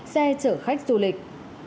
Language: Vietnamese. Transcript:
xe chở khách du lịch